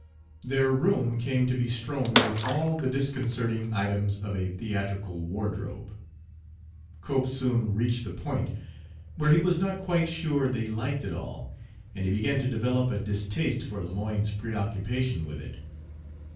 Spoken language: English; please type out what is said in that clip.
Their room came to be strown with all the disconcerting items of a theatrical wardrobe. Cope soon reached the point where he was not quite sure that he liked it all, and he began to develop a distaste for Lemoyne's preoccupation with it.